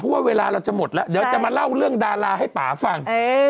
เพราะว่าเวลาเราจะหมดแล้วเดี๋ยวจะมาเล่าเรื่องดาราให้ป่าฟัง